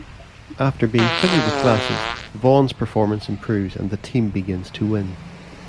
After being fitted with glasses, Vaughn's performance improves and the team begins to win.